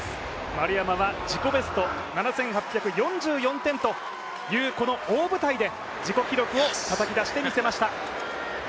丸山は自己ベスト７８４４点という大舞台で自己記録をたたき出してみせました。